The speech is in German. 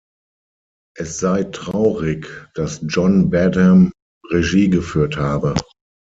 Es sei traurig, dass John Badham Regie geführt habe.